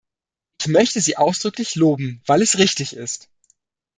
Ich möchte sie ausdrücklich loben, weil es richtig ist!